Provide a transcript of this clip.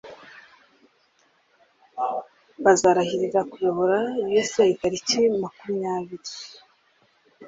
bazarahirira kuyobora USA taliki makumyabiri